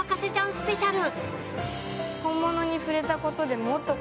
スペシャル。